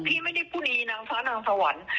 พี่ไม่ได้พูดดีนางฟ้านางสวรรค์